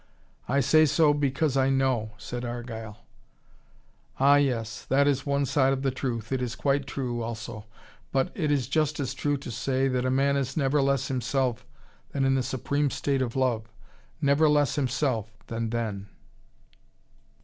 I say so, because I know," said Argyle. "Ah, yes. That is one side of the truth. It is quite true, also. But it is just as true to say, that a man is never less himself, than in the supreme state of love. Never less himself, than then."